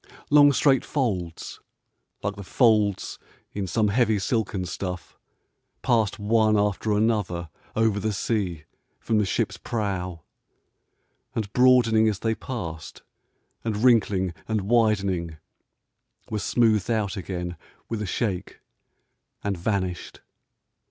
Long, straight folds, like the folds in some heavy silken stuff, passed one after another over the sea from the ship's prow, and broadening as they passed, and wrinkling and widening, were smoothed out again with a shake, and vanished.